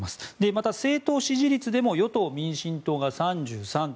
また、政党支持率でも与党・民進党が３３．５％。